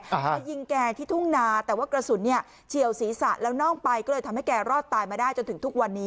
มายิงแกที่ทุ่งนาแต่ว่ากระสุนเนี่ยเฉียวศีรษะแล้วน่องไปก็เลยทำให้แกรอดตายมาได้จนถึงทุกวันนี้